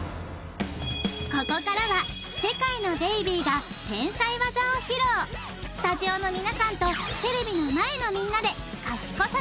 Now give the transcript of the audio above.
ここからは世界のベイビーが天才技を披露スタジオの皆さんとテレビの前のみんなでかしこさ